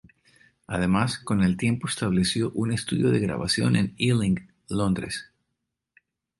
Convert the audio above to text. Además, con el tiempo estableció un estudio de grabación en Ealing, Londres.